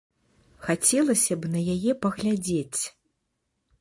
Хацелася б на яе паглядзець.